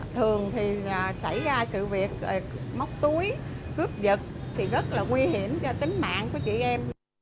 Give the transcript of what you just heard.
thường thì xảy ra sự việc móc túi cướp giật thì rất là nguy hiểm cho tính mạng của chị em